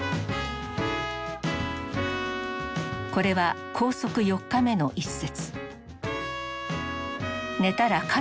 これは拘束４日目の一節。